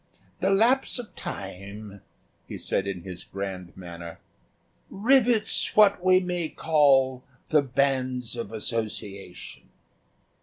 "The lapse of time," he said in his grand manner, "rivets what we may call the bands of association."